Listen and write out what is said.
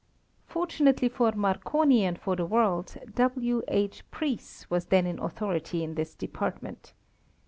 Fortunately for Marconi and for the world, W.H. Preece was then in authority in this department.